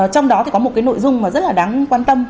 trong đó thì có một cái nội dung mà rất là đáng quan tâm